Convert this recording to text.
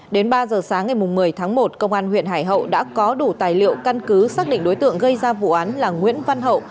đến ba giờ sáng ngày một mươi tháng một công an huyện hải hậu đã có đủ tài liệu căn cứ xác định đối tượng gây ra vụ án là nguyễn văn hậu